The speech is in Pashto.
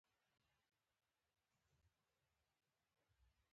پنځه وخته لمونځ فرض ده